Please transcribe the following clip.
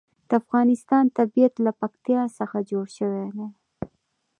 د افغانستان طبیعت له پکتیا څخه جوړ شوی دی.